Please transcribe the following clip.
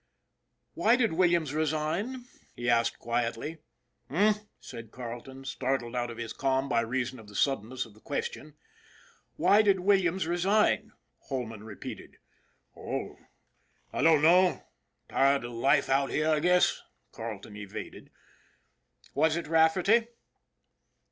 " Why did Williams resign ?" he asked quietly. RAFFERTY'S RULE 7 "Eh?" said Carleton, startled out of his calm by reason of the suddenness of the question. "Why did Williams resign?" Holman repeated. " Oh, I don't know. Tired of the life out here, I guess," Carleton evaded. "Was it Rafferty?"